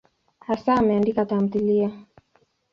Hasa ameandika tamthiliya.